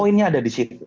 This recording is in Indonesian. poinnya ada di situ